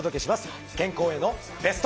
健康へのベスト。